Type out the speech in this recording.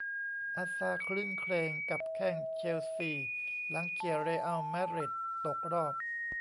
อาซาร์ ครื้นเครงกับแข้ง เชลซี หลังเขี่ย เรอัล มาดริด ตกรอบ